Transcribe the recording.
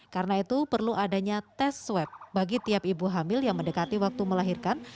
karena itu perlu adanya tes swab bagi tiap ibu hamil yang mendekati waktu melahirkan